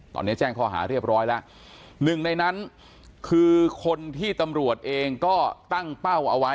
ตอนนี้แจ้งข้อหาเรียบร้อยแล้วหนึ่งในนั้นคือคนที่ตำรวจเองก็ตั้งเป้าเอาไว้